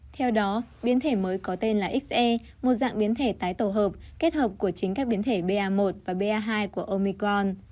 theo đó biến thể mới có tên là se một dạng biến thể tái tổ hợp kết hợp của chính các biến thể ba một và ba hai của omicron